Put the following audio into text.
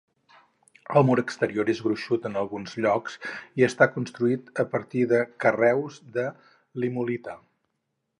El mur exterior és gruixut en alguns llocs i està construït a partir de carreus de limolita.